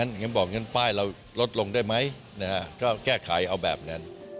อย่างนั้นบอกงั้นป้ายเราลดลงได้ไหมก็แก้ไขเอาแบบนั้น